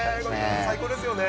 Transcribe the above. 最高ですよね。